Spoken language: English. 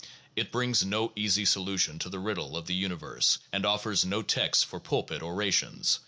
It brings no easy solution to the riddle of the uni verse, and offers no texts for pulpit orations.